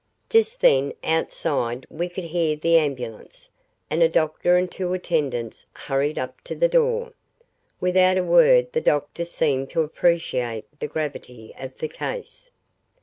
Just then, outside, we could hear the ambulance, and a doctor and two attendants hurried up to the door. Without a word the doctor seemed to appreciate the gravity of the case.